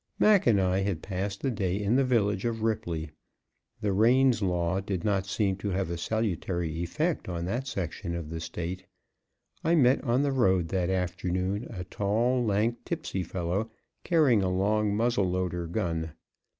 Mac and I had passed the day in the village of Ripley. The Raines Law did not seem to have a salutary effect on that section of the State. I met on the road that afternoon a tall, lank, tipsy fellow, carrying a long muzzle loader gun.